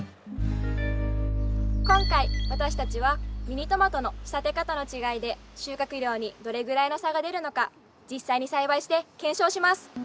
今回私たちはミニトマトの仕立て方の違いで収穫量にどれぐらいの差が出るのか実際に栽培して検証します。